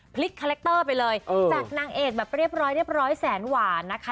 พลิกคาแรคเตอร์ไปเลยจากนางเอกแบบเรียบร้อยแสนหวานนะคะ